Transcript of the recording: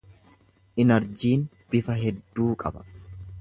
Inarjiin bifa hedduu qaba.